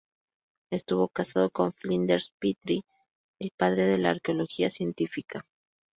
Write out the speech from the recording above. Estuvo casada con Flinders Petrie, el padre de la arqueología científica.